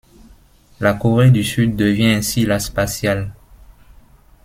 La Corée du Sud devient ainsi la spatiale.